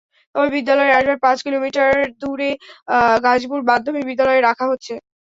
তবে বিদ্যালয়ের আসবাব পাঁচ কিলোমিটার দূরে গাজীপুর মাধ্যমিক বিদ্যালয়ে রাখা হচ্ছে।